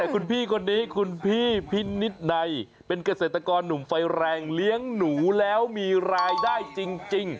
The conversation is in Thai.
คุณพี่คนนี้คุณพี่พินิษฐ์ในเป็นเกษตรกรหนุ่มไฟแรงเลี้ยงหนูแล้วมีรายได้จริง